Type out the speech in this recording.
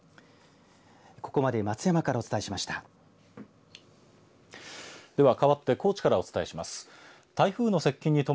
ここまで松山からお伝えしました。